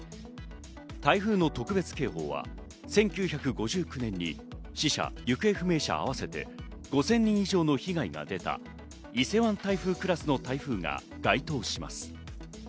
台風の特別警報は１９５９年に死者・行方不明者合わせて５０００人以上の被害が出た伊勢湾台風クラスの台風が該当します。